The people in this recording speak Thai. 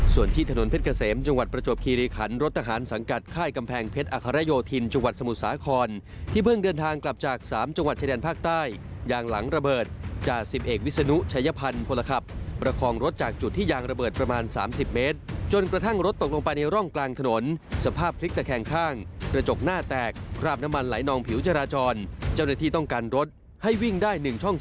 ส่วนที่ถนนเพชรเกษมจังหวัดประจบคีรีคันรถทหารสังกัดค่ายกำแพงเพชรอคาระโยธินจังหวัดสมุสาครที่เพิ่งเดินทางกลับจาก๓จังหวัดชายแดนภาคใต้ยางหลังระเบิดจาก๑๑วิศนุชายพันธุ์พลครับประคองรถจากจุดที่ยางระเบิดประมาณ๓๐เมตรจนกระทั่งรถตกลงไปในร่องกลางถนนสภาพคลิกแต่แค่งข้าง